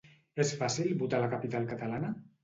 És fàcil votar a la capital catalana?